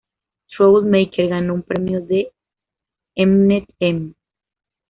Trouble Maker ganó un premio de Mnet M!